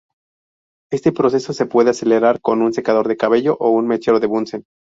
Este proceso se puede acelerar con un secador de cabello o un mechero Bunsen.